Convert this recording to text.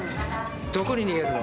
どこに逃げるの？